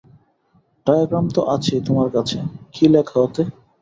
Diagram তো আছেই তোমার কাছে, কী লেখা ওতে?